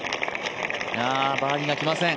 バーディーがきません。